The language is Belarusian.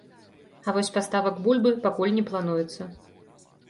А вось паставак бульбы пакуль не плануецца.